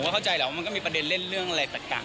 ผมก็เข้าใจแล้วว่ามันก็มีประเด็นเล่นอะไรต่าง